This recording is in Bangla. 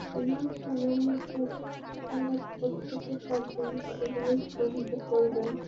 রিমান্ড শুনানি শেষে আদালত প্রত্যেকের সাত দিন করে রিমান্ড মঞ্জুর করেন।